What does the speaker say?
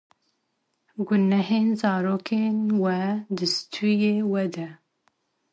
Gunehê zarokên we di stûyên we de.